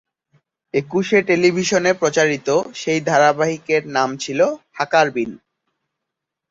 একুশে টেলিভিশনে প্রচারিত সেই ধারাবাহিকের নাম ছিল হাকারবিন।